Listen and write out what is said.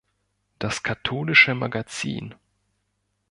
Das katholische Magazin".